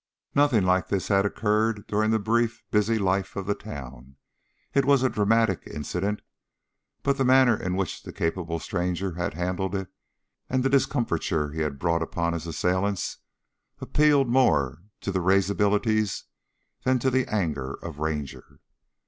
Nothing like this had occurred during the brief, busy life of the town. It was a dramatic incident, but the manner in which this capable stranger had handled it and the discomfiture he had brought upon his assailants appealed more to the risibilities than to the anger of Ranger.